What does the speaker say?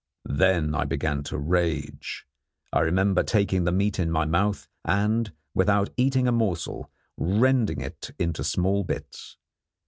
Then I began to rage. I remember taking the meat in my mouth and, without eating a morsel, rending it into small bits.